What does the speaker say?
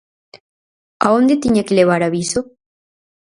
¿A onde tiña que levar aviso?